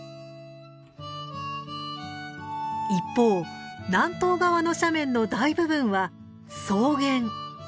一方南東側の斜面の大部分は草原。